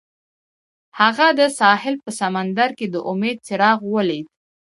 هغه د ساحل په سمندر کې د امید څراغ ولید.